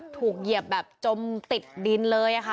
เหยียบแบบจมติดดินเลยค่ะ